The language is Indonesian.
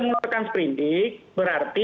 mengeluarkan sprint dig berarti